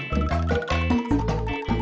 sumpah aku mau piew